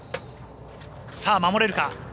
さあ、守れるか。